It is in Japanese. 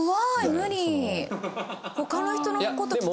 無理！